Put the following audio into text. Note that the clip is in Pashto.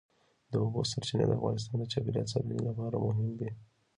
د اوبو سرچینې د افغانستان د چاپیریال ساتنې لپاره مهم دي.